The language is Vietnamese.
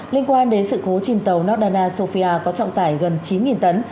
liên quan đến sự cố chìm tàu nordana sofia có trọng tải gần chín tấn